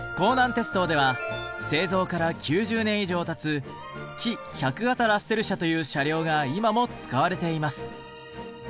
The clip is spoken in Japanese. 鉄道では製造から９０年以上たつ「キ１００形ラッセル車」という車両が今も使われています。